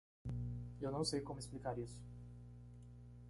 Eu não sei como explicar isso.